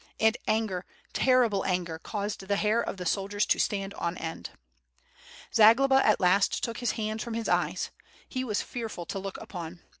And anger, terrible anger, caused the hair of the soldiers to stand on end. Zagloba at last took his hands from his eyes. He was fear ful to look upon.